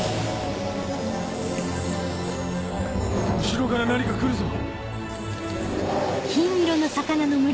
後ろから何か来るぞ。